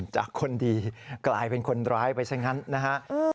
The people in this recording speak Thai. จากคนดีกลายเป็นคนร้ายไปซะงั้นนะฮะ